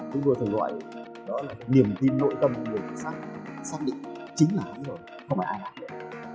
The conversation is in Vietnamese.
chúng tôi thường gọi đó là niềm tin nội tâm của người thực sắc xác định chính là hắn rồi không phải ai nào